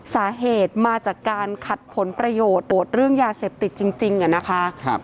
สาเหตุมาจากการขัดผลประโยชน์ตรวจเรื่องยาเสพติดจริงอะนะคะ